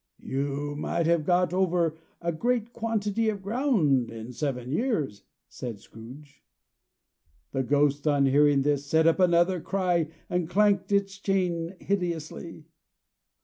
"You might have got over a great quantity of ground in seven years," said Scrooge. The Ghost, on hearing this set up another cry, and clanked its chain hideously.